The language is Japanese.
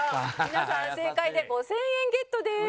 皆さん正解で５０００円ゲットです！